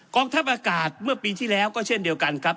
ทัพอากาศเมื่อปีที่แล้วก็เช่นเดียวกันครับ